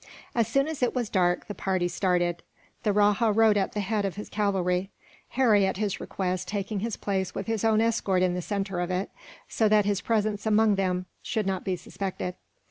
As soon as it was dark, the party started. The rajah rode at the head of his cavalry; Harry, at his request, taking his place with his own escort in the centre of it, so that his presence among them should not be suspected.